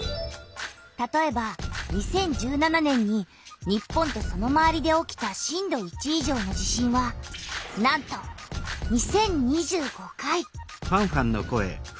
たとえば２０１７年に日本とそのまわりで起きた震度１以上の地震はなんと２０２５回！